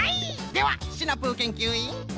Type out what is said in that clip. ではシナプーけんきゅういん！